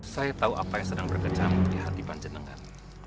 saya tahu apa yang sedang berkecam di hati panjangan